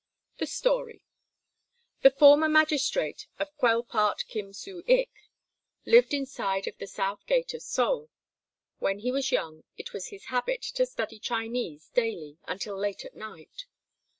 ] The Story The former magistrate of Quelpart, Kim Su ik, lived inside of the South Gate of Seoul. When he was young it was his habit to study Chinese daily until late at night.